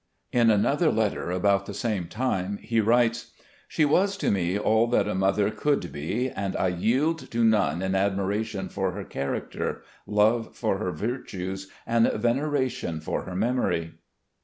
In another letter about the same time he writes :" She was to me all that a mother could be, and I yield to none in admiration for her character, love for her virtues, and veneration for her memory."